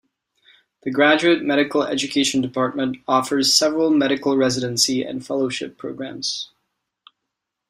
The graduate medical education department offers several medical residency and fellowship programs.